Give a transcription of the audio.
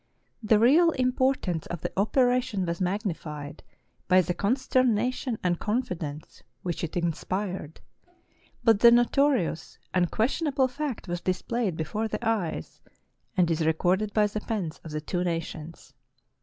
The real importance of the operation was magnified by the consternation and confidence which it inspired: but the notorious, unques tionable fact was displayed before the eyes, and is re corded by the pens of the two nations.